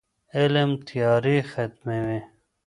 علم تیارې ختموي.